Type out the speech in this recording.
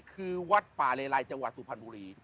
คือวัดป่าเลไลจังหวัดสุพรรณบุรี